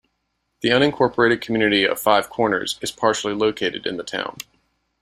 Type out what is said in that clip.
The unincorporated community of Five Corners is partially located in the town.